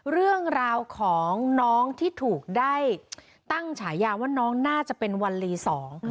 เรื่องราวของน้องที่ถูกได้ตั้งฉายาว่าน้องน่าจะเป็นวันลีสอง